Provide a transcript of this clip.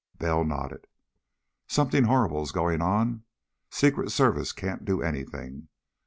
Bell nodded. "Something horrible is going on. Secret Service can't do anything.